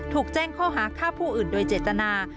ถูกแจ้งข้อหาฆ่าผู้อื่นโดยเจตนา